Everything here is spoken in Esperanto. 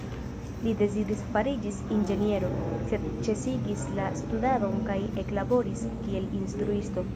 Li deziris fariĝis inĝeniero, sed ĉesigis la studadon kaj eklaboris kiel instruisto.